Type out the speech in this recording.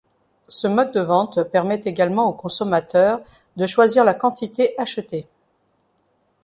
Ce mode de vente permet également aux consommateurs de choisir la quantité achetée.